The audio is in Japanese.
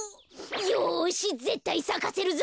よしぜったいさかせるぞ。